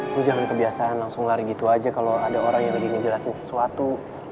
lo jangan kebiasaan langsung lari gitu aja kalo ada orang yang lagi ngejelasin sesuatu